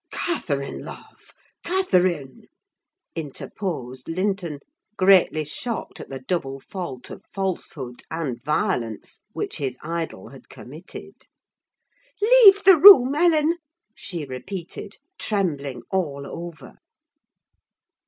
"Catherine, love! Catherine!" interposed Linton, greatly shocked at the double fault of falsehood and violence which his idol had committed. "Leave the room, Ellen!" she repeated, trembling all over.